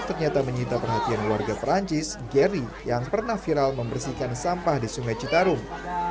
ternyata menyita perhatian warga perancis gary yang pernah viral membersihkan sampah di sungai citarum